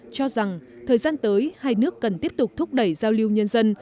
cho rằng thời gian tới hai nước cần tiếp tục thúc đẩy giao lưu nhân dân